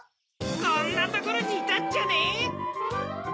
こんなところにいたっちゃね！